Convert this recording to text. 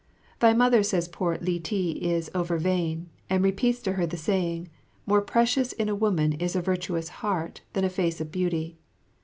Thy Mother says poor Li ti is o'ervain, and repeats to her the saying, "More precious in a woman is a virtuous heart than a face of beauty."